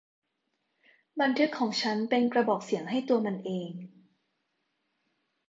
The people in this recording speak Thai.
บันทึกของฉันเป็นกระบอกเสียงให้ตัวมันเอง